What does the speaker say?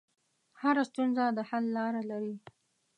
هره ستونزه د حل لاره لري.